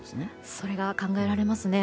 それが考えられますね。